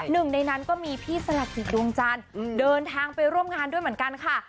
หนึ่งในนั้นก็มีพี่สลักจิตดวงจันทร์เดินทางไปร่วมงานด้วยเหมือนกันค่ะ